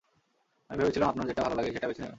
আমি ভেবেছিলাম আপনার যেটা ভালো লাগে সেটা বেছে নেবেন।